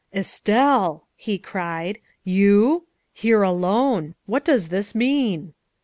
" Estelle," he cried, " you? Here alone. What does this mean?"